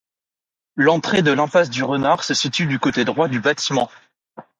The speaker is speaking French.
L'entrée de l'Impasse du Renard se situe du côté droit du bâtiment.